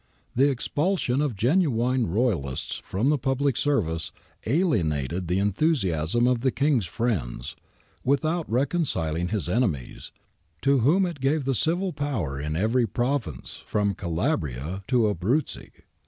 The exoulsion of genuine royalists from the public service alienated the enthusiasm of the King's friends, without reconciling his enemies, to whom it gave the civil power in every Pro vince from Calabria to Abruzzi.